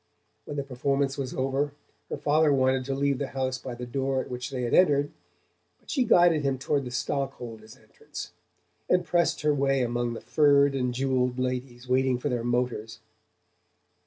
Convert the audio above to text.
When the performance was over her father wanted to leave the house by the door at which they had entered, but she guided him toward the stockholders' entrance, and pressed her way among the furred and jewelled ladies waiting for their motors.